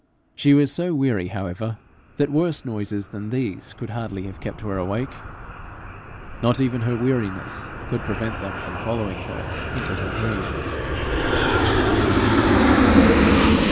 She was so weary, however, that worse noises than these could hardly have kept her awake; not even her weariness could prevent them from following her into her dreams.